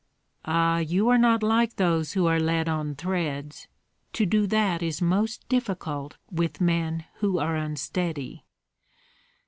"Ah, you are not like those who are led on threads; to do that is most difficult with men who are unsteady."